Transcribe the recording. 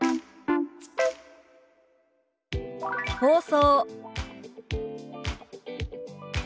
「放送」。